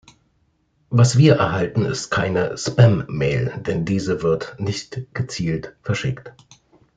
Was wir erhalten, ist keine "Spam"-Mail, denn diese wird nicht gezielt verschickt.